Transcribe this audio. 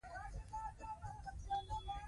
که ملالۍ تښتي، نو بې ننګۍ ته پاتې کېږي.